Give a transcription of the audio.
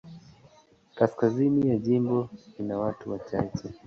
Kaskazini ya jimbo ina watu wachache.